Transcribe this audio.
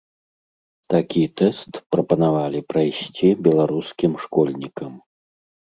Такі тэст прапанавалі прайсці беларускім школьнікам.